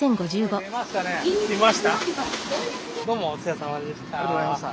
どうもお世話さまでした。